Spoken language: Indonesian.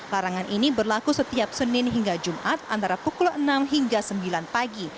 larangan ini berlaku setiap senin hingga jumat antara pukul enam hingga sembilan pagi